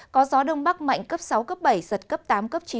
có gió đông bắc mạnh cấp sáu cấp bảy giật cấp tám cấp chín